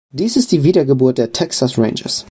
Dies ist die Wiedergeburt der Texas Rangers.